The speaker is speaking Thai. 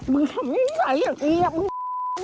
มึงทำงานใหญ่อย่างเนี้ยมึง